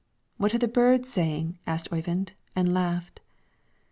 "What are the birds saying?" asked Oyvind, and laughed.